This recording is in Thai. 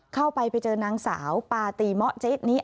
เข้าไปไปเจอนางสาวปาตีเมาะเจ๊นิ